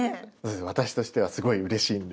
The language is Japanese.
私としてはすごいうれしいんで。